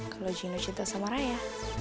kalau jino cinta sama raya